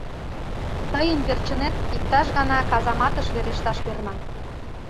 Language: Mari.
Тыйын верчынет иктаж гана казаматыш верешташ перна!..